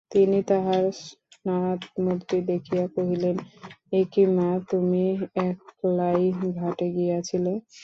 তিনি তাহার স্নাতমূর্তি দেখিয়া কহিলেন, একি মা, তুমি একলাই ঘাটে গিয়াছিলে?